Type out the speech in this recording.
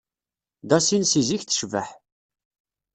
Dassin seg zik tecbeḥ.